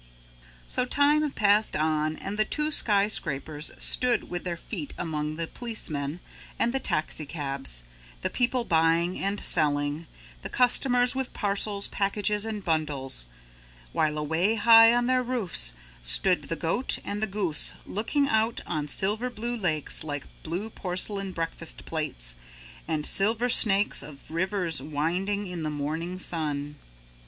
So time passed on and the two skyscrapers stood with their feet among the policemen and the taxicabs, the people buying and selling, the customers with parcels, packages and bundles while away high on their roofs stood the goat and the goose looking out on silver blue lakes like blue porcelain breakfast plates and silver snakes of rivers winding in the morning sun.